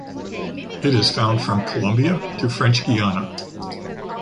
It is found from Colombia to French Guyana.